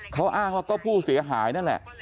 เขาอ้างว่าก็ผู้เสียหายนั่นแหละ